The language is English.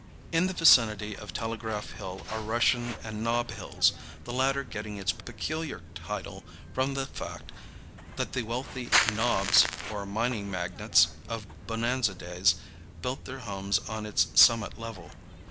In the vicinity of Telegraph Hill are Russian and Nob Hills, the latter getting its peculiar title from the fact that the wealthy "nobs," or mining magnates, of bonanza days built their homes on its summit level.